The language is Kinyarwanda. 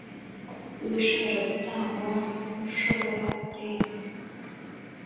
W ibishobora gutangwa ntushobora kurenga